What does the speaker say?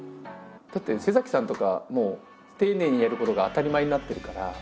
だってさんとかもう丁寧にやることが当たり前になってるから。